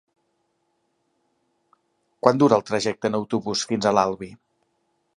Quant dura el trajecte en autobús fins a l'Albi?